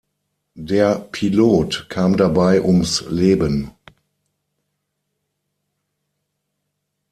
Der Pilot kam dabei ums Leben.